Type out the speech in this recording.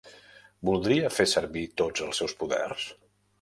Voldria fer servir tots els seus poders?